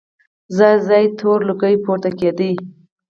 ځای ځای تور لوګي پورته کېدل.